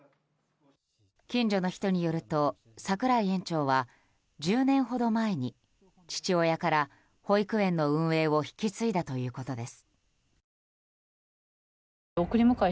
近所の人によると、櫻井園長は１０年ほど前に父親から保育園の運営を引き継いだということです。